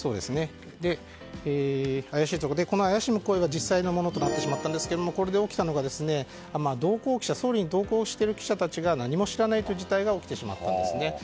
怪しむ声が実際のものとなってしまったんですがこれで起きたのが総理に同行している記者たちが何も知らないという事態が起きてしまったんですね。